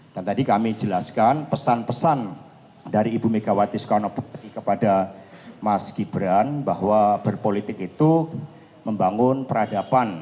dan tadi kami jelaskan pesan pesan dari ibu megawati soekarno petri kepada mas gibran bahwa berpolitik itu membangun peradaban